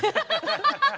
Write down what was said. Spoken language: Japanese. ハハハハ！